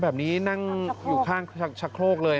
สวยสวยสวยสวยสวยสวยสวยสวย